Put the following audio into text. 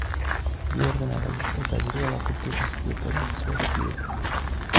Bi ordenagailu eta dirua lapurtu zizkietela zehaztu dute.